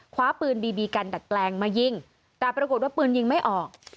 คว้าปืนบีบีกันดัดแปลงมายิงแต่ปรากฏว่าปืนยิงไม่ออก